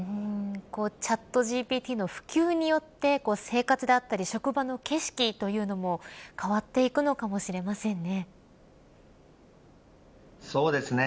チャットＧＰＴの普及によって生活であったり職場の景色というのも変わっていくのかもそうですね。